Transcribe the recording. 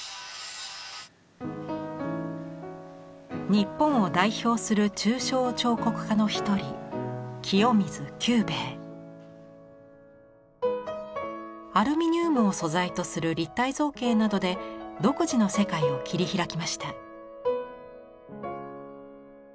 日本を代表する抽象彫刻家の一人アルミニウムを素材とする立体造形などで独自の世界を切り開きました。